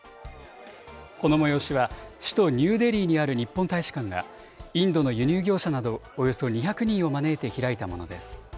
この催しは首都ニューデリーにある日本大使館が、インドの輸入業者など、およそ２００人を招いて開いたものです。